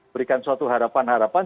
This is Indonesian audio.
berikan suatu harapan harapan